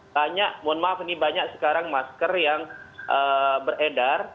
banyak mohon maaf ini banyak sekarang masker yang beredar